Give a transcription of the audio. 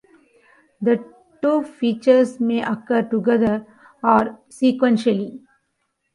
The two features may occur together or sequentially.